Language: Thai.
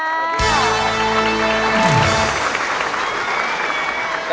ขอบคุณครับ